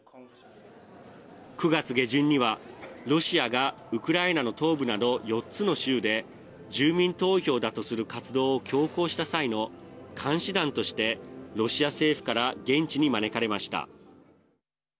９月下旬にはロシアがウクライナの東部など４つの州で住民投票だとする活動を強行した際の監視団としてロシア政府から現地に招かれました。